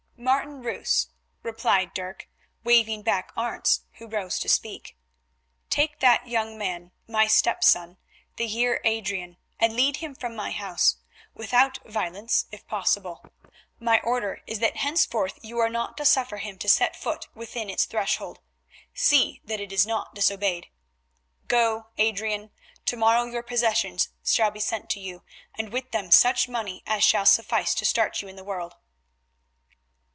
"Martin Roos," replied Dirk, waving back Arentz who rose to speak, "take that young man, my stepson, the Heer Adrian, and lead him from my house—without violence if possible. My order is that henceforth you are not to suffer him to set foot within its threshold; see that it is not disobeyed. Go, Adrian, to morrow your possessions shall be sent to you, and with them such money as shall suffice to start you in the world."